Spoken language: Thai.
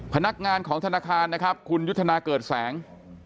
พนักงานของธนาคารนะครับคุณยุทธนาเกิดแสง